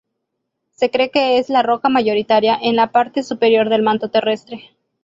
Se cree que es la roca mayoritaria en la parte superior del manto terrestre.